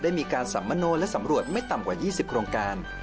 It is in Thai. มีการสัมมโนและสำรวจไม่ต่ำกว่า๒๐โครงการ